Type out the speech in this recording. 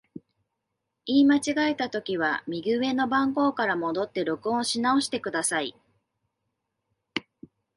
言い間違えたときは、右上の番号から戻って録音し直してください。